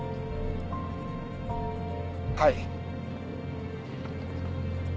はい。